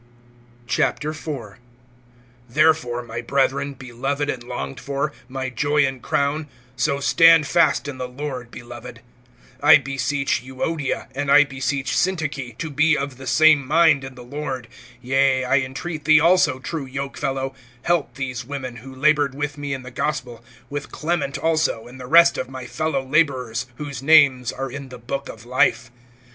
(1)Therefore, my brethren beloved and longed for, my joy and crown, so stand fast in the Lord, beloved. (2)I beseech Euodia, and I beseech Syntyche, to be of the same mind in the Lord. (3)Yea, I entreat thee also, true yoke fellow, help these women, who labored with me in the gospel, with Clement also, and the rest of my fellow laborers, whose names are in the book of life.